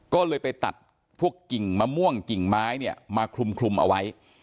ก็เลยไปตัดพวกกิ่งมะม่วงกิ่งไม้เนี่ยมาคลุมเอาไว้